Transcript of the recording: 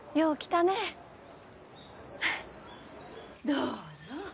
どうぞ。